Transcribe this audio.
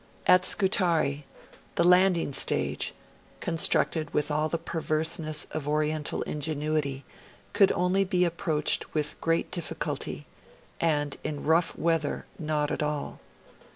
At Scutari, the landing stage, constructed with all the perverseness of Oriental ingenuity, could only be approached with great difficulty, and, in rough weather, not at all.